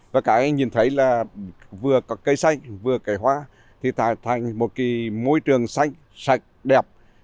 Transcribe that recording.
và cái nhìn thấy là vừa có cây xanh vừa cây hoa thì thành một cái môi trường xanh sạch đẹp